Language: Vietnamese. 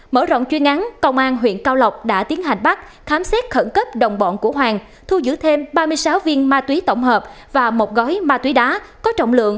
mở rộng chuyên ngắn công an huyện cao lọc đã tiến hành bắt khám xét khẩn cấp đồng bọn của hoàng thu giữ thêm ba mươi sáu viên ma túy tổng hợp và một gói ma túy đá có trọng lượng một ba trăm chín mươi hai g